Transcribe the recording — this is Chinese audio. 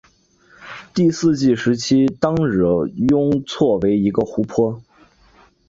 第四纪时期与当惹雍错为一个湖泊。